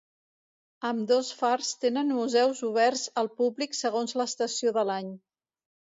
Ambdós fars tenen museus oberts al públic segons l'estació de l'any.